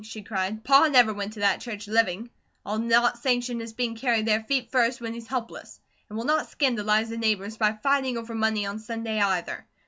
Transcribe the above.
she cried. "Pa never went to that church living; I'll not sanction his being carried there feet first, when he's helpless. And we'll not scandalize the neighbours by fighting over money on Sunday, either.